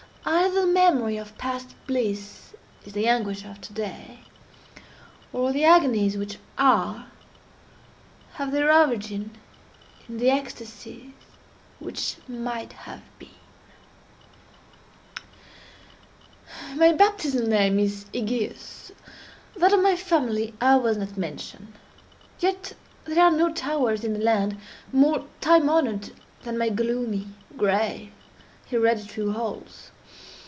Either the memory of past bliss is the anguish of to day, or the agonies which are, have their origin in the ecstasies which might have been. My baptismal name is Egaeus; that of my family I will not mention. Yet there are no towers in the land more time honored than my gloomy, gray, hereditary halls.